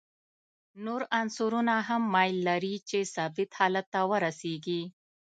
نور عنصرونه هم میل لري چې ثابت حالت ته ورسیږي.